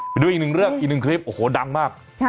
ไปดูอีกหนึ่งเรื่องอีกหนึ่งคลิปโอ้โหดังมาก